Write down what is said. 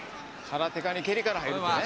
「空手家に蹴りから入るっていうね」